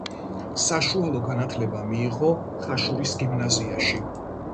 საშუალო განათლება მიიღო ხაშურის გიმნაზიაში.